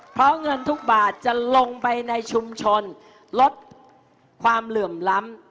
เพราะเงินทุกบาทจะลงไปในชุมชนลดความเหลื่อมล้ำ